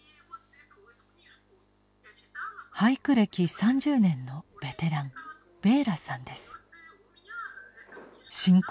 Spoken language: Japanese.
俳句歴３０年のベテランベーラさんです。